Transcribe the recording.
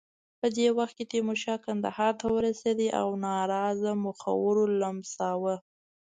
په دې وخت کې تیمورشاه کندهار ته ورسېد او ناراضه مخورو لمساوه.